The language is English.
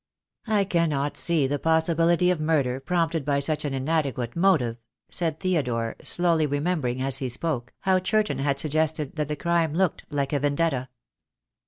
"I cannot see the possibility of murder, prompted by such an inadequate motive," said Theodore, slowly, re membering, as he spoke, how Churton had suggested that the crime looked like a vendetta.